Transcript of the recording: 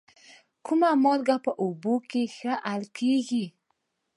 کومه مالګه په اوبو کې ښه حل کیږي؟